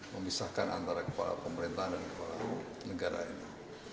memisahkan antara kepala pemerintahan dan kepala negara ini